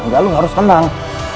kamu harus tenang